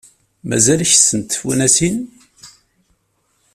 Mazal kessent tifunasin?